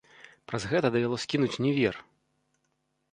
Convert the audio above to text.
Праз гэта давялося кінуць універ!